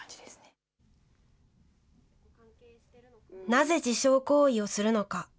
なぜ自傷行為をするのか。